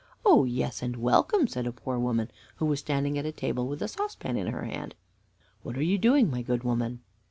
"Oh yes, and welcome," said a poor woman, who was standing at a table with a saucepan in her hand. "What are you doing, my good woman?"